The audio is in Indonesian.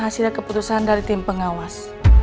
hasil keputusan dari tim pengawas